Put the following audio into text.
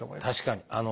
確かに。